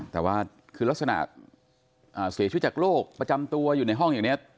แต่ว่าคือลักษณะเสียชีวิตจากโรคประจำตัวอยู่ในห้องอย่างนี้